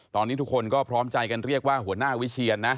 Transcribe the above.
ตอนนี้ทุกคนก็พร้อมใจกันเรียกว่าหัวหน้าวิเชียนนะ